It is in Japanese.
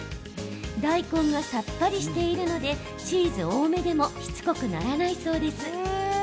大根がさっぱりしているのでチーズ多めでもしつこくならないそうです。